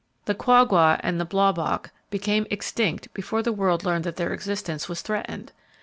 The quagga and the blaubok became extinct before the world learned that their existence was threatened!